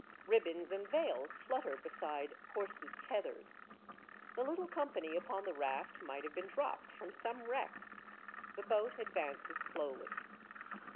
Ribbons and veils flutter beside horses* tethers. The little company upon the raft might have been dropped from some wreck. The boat advances slowly.